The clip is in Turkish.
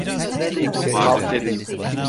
Kalk dedim!